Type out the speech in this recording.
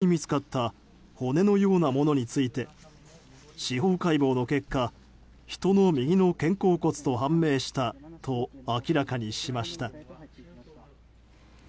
一方、警察は先ほど４日に見つかった骨のようなものについて司法解剖の結果人の右の肩甲骨と判明したと明らかにしました。